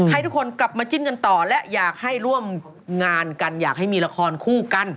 ให้ทุกคนกลับมาจิ้นกันต่อและอยากให้ร่วมงานกันอยากให้มีละครคู่กัน